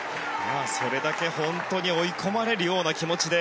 それだけ本当に追い込まれるような気持ちで